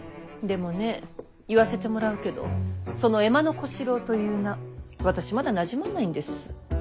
でもね言わせてもらうけどその江間小四郎という名私まだなじまないんです。